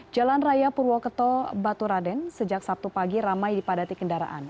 jalan raya purwokerto baturaden sejak sabtu pagi ramai dipadati kendaraan